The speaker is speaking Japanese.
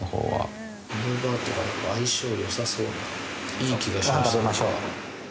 いい気がしました。